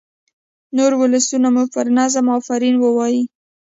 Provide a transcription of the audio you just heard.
نور ولسونه مو پر نظم آفرین ووايي.